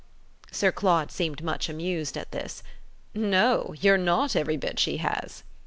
Sir Claude seemed much amused at this. "No; you're not every bit she has!"